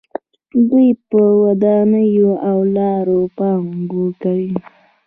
دوی په ودانیو او لارو پانګونه کوي.